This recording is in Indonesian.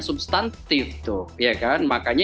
substantif ya kan makanya